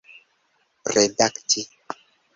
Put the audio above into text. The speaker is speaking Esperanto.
redakti